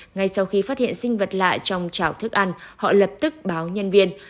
ngay sau khi phát hiện sinh vật lạ trong chảo thức ăn họ lập tức báo nhân viên